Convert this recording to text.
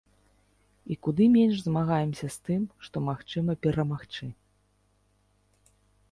І куды менш змагаемся з тым, што магчыма перамагчы.